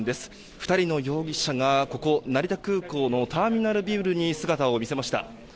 ２人の容疑者がここ成田空港のターミナルビルに姿を見せました。